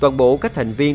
toàn bộ các thành viên